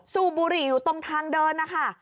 สูบบุหรี่อยู่ตรงทางเดินนะคะ